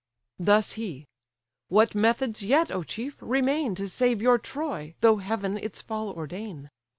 Thus he—"What methods yet, O chief! remain, To save your Troy, though heaven its fall ordain?